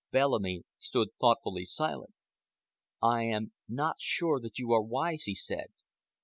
Bellamy stood thoughtfully silent. "I am not sure that you are wise," he said.